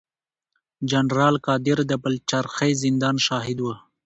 جنرال قادر د پلچرخي زندان شاهد و.